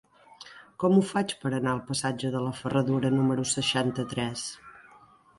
Com ho faig per anar al passatge de la Ferradura número seixanta-tres?